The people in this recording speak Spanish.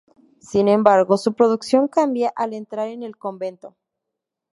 Sin embargo, su producción cambia al entrar en el convento.